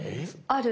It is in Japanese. ある。